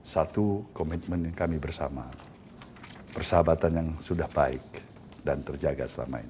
satu komitmen kami bersama persahabatan yang sudah baik dan terjaga selama ini